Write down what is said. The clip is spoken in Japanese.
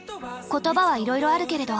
言葉はいろいろあるけれど。